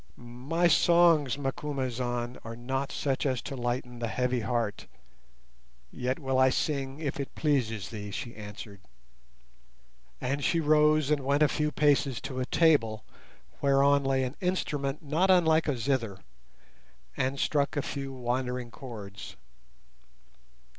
"My songs, Macumazahn, are not such as to lighten the heavy heart, yet will I sing if it pleases thee," she answered; and she rose and went a few paces to a table whereon lay an instrument not unlike a zither, and struck a few wandering chords.